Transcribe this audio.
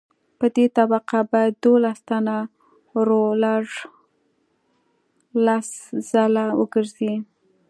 په دې طبقه باید دولس ټنه رولر لس ځله وګرځي